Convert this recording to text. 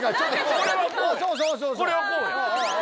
これはこうや。